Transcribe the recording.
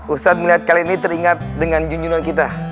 ustadz melihat kali ini teringat dengan junjuran kita